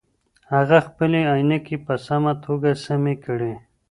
هغه خپلې عینکې په سمه توګه سمې کړې.